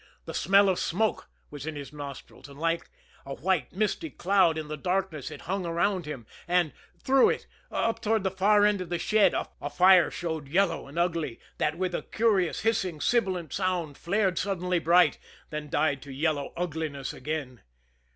The smell of smoke was in his nostrils, and like a white, misty cloud in the darkness it hung around him and through it, up toward the far end of the shed, a fire showed yellow and ugly, that with a curious, hissing, sibilant sound flared suddenly bright, then died to yellow ugliness again.